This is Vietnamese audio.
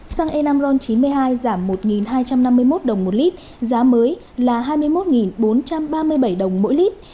xăng e năm ron chín mươi hai giảm một hai trăm năm mươi một đồng một lít giá mới là hai mươi một bốn trăm ba mươi bảy đồng mỗi lít